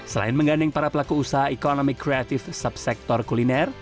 selain mengganding para pelaku usaha ekonomi kreatif subsektor kuliner